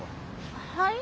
はい？